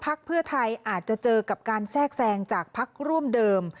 เพื่อไทยอาจจะเจอกับการแทรกแทรงจากพักร่วมเดิม